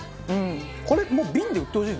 これもう瓶で売ってほしい。